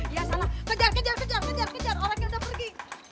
iya salah kejar orangnya udah pergi